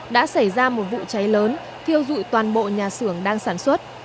đã xảy ra một vụ cháy lớn thiêu dụi toàn bộ nhà xưởng đang sản xuất